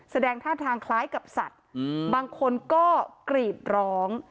แสดงท่าทางคล้ายกับสัตว์บางคนก็กรีดร้อง